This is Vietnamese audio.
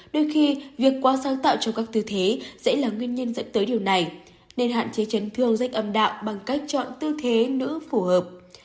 đôi khi việc quá sáng tạo trong các tư thế sẽ là nguyên nhân dẫn tới điều này nên hạn chế chấn thương rách âm đạo bằng cách chọn tư thế nữ phù hợp